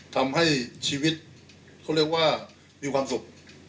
ทำให้ชีวิตเขาเรียกว่ามีความสุข